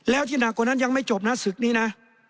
แล้วที่หนักกว่านั้นยังไม่จบนะศึกนี้นะ